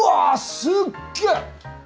すっげえ！